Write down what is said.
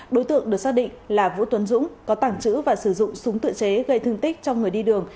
đối tượng được xác định là vũ tuấn dũng có tảng chữ và sử dụng súng tự chế gây thương tích cho người đi đường